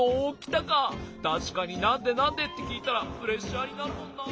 たしかに「なんで？なんで？」ってきいたらプレッシャーになるもんなあ。